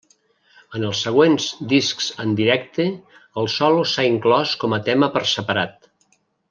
En els següents discs en directe, el solo s'ha inclòs com a tema per separat.